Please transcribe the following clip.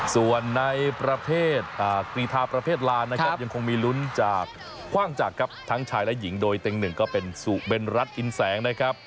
ส่วนในประเภทกรีธาประเภทลานนะครับยังคงมีลุ้นจากคว่างจักรครับทั้งชายและหญิงโดยเต็งหนึ่งก็เป็นสุเบนรัฐอินแสงนะครับ